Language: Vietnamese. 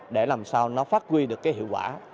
để làm sao nó phát huy được cái hiệu quả